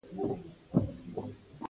دوه ربړي میلې یو بل دفع کوي.